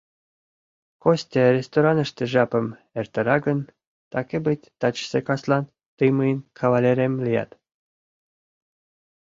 Костя рестораныште жапым эртара гын, так и быть, тачысе каслан тый мыйын кавалерем лият.